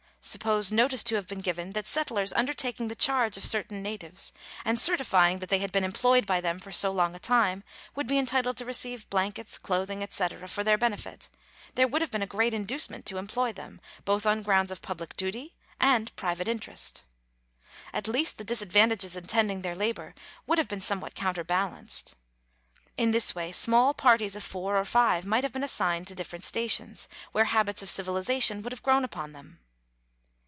Suppose notice to have been given that settlers undertaking the charge of certain natives, and certi fying that they had been employed by them for so long a time, would be entitled to receive blankets, clothing, &c., for their benefit, there would have been a great inducement to employ them, both on grounds of public duty and private interest. At least the disadvantages attending their labour would have been somewhat counterbalanced. In this way small parties of four or five might have been assigned to different stations, where habits of civilization would have grown upon them.